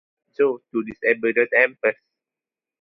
Joe to disable the Tempest.